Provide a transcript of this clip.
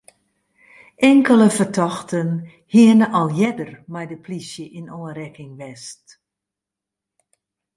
Inkelde fertochten hiene al earder mei de plysje yn oanrekking west.